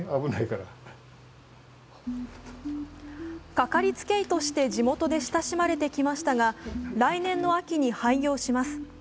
かかりつけ医として地元で親しまれてきましたが来年の秋に廃業します。